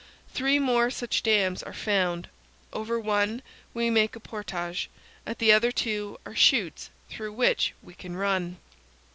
Three more such dams are found. Over one we make a portage; at the other two are chutes through which we can run.